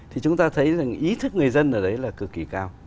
thì chúng ta thấy rằng ý thức người dân ở đấy là cực kỳ cao